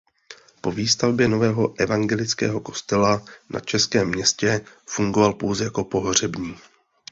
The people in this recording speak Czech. Po výstavbě nového evangelického kostela na Českém městě fungoval pouze jako pohřební.